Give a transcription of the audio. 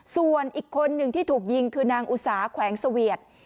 ส่วนอีกคนหนึ่งที่ถูกยิงคือนางอุตสาแขวงเสวียด